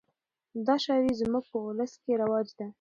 دا شاعري زموږ په اولس کښي رواج ده.